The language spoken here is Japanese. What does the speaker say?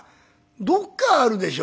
「どっかあるでしょ」。